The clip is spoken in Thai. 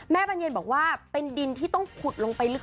บรรเย็นบอกว่าเป็นดินที่ต้องขุดลงไปลึก